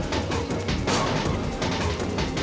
kamu tenang aja